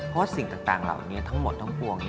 เพราะสิ่งต่างเหล่านี้ทั้งหมดทั้งปวง